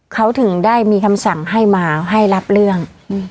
เขาถึงได้มีคำสั่งให้มาให้รับเรื่อง